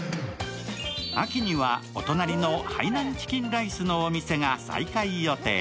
秋にはお隣の海南チキンライスのお店が再開予定。